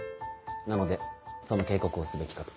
なのでその警告をすべきかと。